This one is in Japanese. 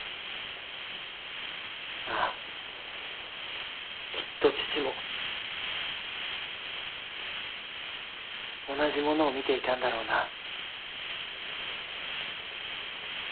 ああきっと父も同じものを見ていたんだろうな。